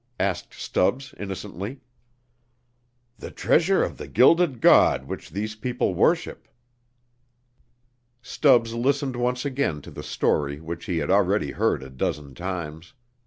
asked Stubbs, innocently. "The treasure of the Gilded God which these people worship." Stubbs listened once again to the story which he had already heard a dozen times.